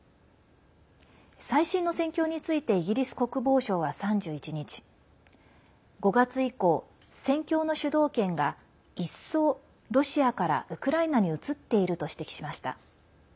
最新の戦況についてイギリス国防省は、３１日５月以降、戦況の主導権が一層ロシアからウクライナに移っていると指摘しました。